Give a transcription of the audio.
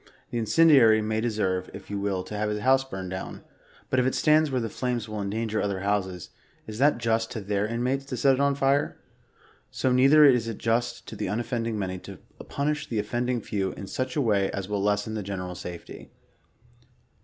The incendiary may deserve, if you will, to have his house burnt down, but if it stands where the flames will en danger other houses, is it just to their inmates to set it on fire ? So neither is it just to the unoffending many, to punish the of fending few in such a way as will lessen the general safety.